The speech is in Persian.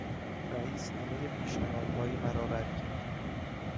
رئیس همهی پیشنهادهای مرا رد کرد.